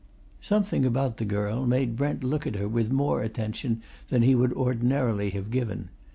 Something about the girl made Brent look at her with more attention than he would ordinarily have given.